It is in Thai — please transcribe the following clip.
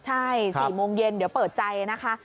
ใช่๔โมงเย็นเดี๋ยวเปิดใจนะคะ